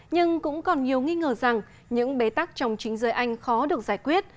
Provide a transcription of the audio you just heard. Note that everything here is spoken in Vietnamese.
nhưng cũng còn nhiều nghi ngờ rằng những bế tắc trong chính giới anh khó được giải quyết